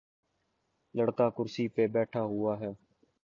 لڑکا کرسی پہ بیٹھا ہوا ہے۔